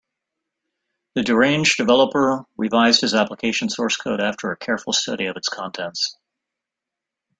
The deranged developer revised his application source code after a careful study of its contents.